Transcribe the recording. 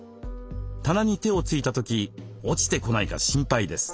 棚に手をついた時落ちてこないか心配です。